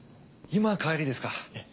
今帰りですか？